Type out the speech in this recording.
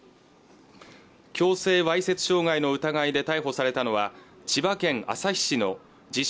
強制わいせつ傷害の疑いで逮捕されたのは千葉県旭市の自称